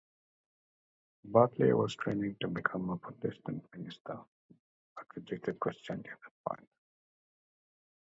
Bartley was training to become a Protestant minister, but rejected Christianity at that point.